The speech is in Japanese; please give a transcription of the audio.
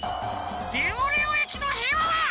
レオレオ駅のへいわは。